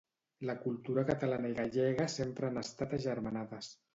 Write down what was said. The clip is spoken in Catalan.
La cultura catalana i la gallega sempre han estat agermanades.